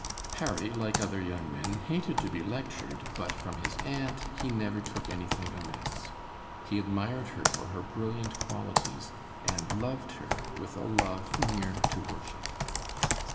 Harry, like other young men, hated to be lectured, but from his aunt he never took anything amiss. He admired her for her brilliant qualities, and loved her with a love near to worship.